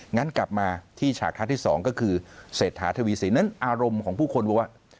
งั้นกลับมาที่ฉากคัดที่๒ก็คือเศรษฐาทวีสินนั้นอารมณ์ของผู้คนบอกว่า